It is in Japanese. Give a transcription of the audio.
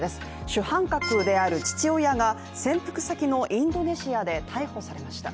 主犯格である父親が潜伏先のインドネシアで逮捕されました。